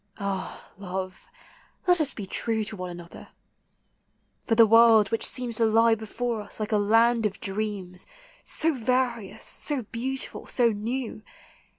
Ah, love, let us be true To one another! for the world, which seems To lie before us like a land of dreams, So various, so beautiful, so new.